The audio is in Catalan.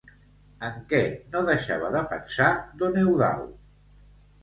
En què no deixava de pensar don Eudald?